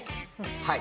はい。